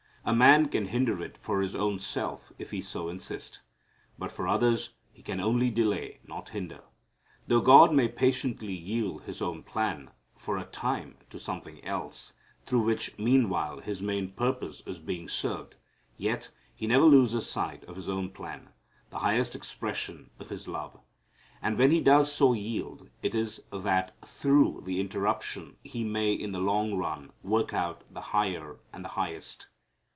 A man can hinder it for his own self if he so insist. But for others he can only delay, not hinder. Though God may patiently yield His own plan, for a time, to something else, through which meanwhile His main purpose is being served, yet He never loses sight of His own plan the highest expression of His love. And when He does so yield, it is that through the interruption He may in the long run work out the higher and the highest.